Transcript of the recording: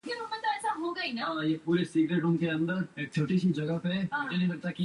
Collins beat Mercado by way of knockout in the third round.